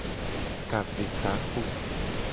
Ka ve takpo.